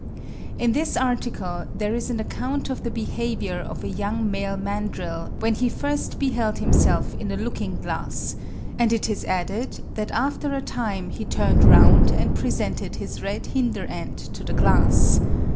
In this article there is an account of the behaviour of a young male mandrill when he first beheld himself in a looking glass, and it is added, that after a time he turned round and presented his red hinder end to the glass.